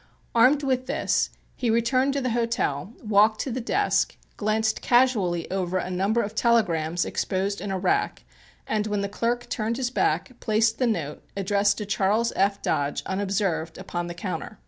Armed with this he returned to the hotel, walked to the desk, glanced casually over a number of telegrams exposed in a rack and, when the clerk turned his back, placed the note, addressed to Charles F. Dodge, unobserved, upon the counter.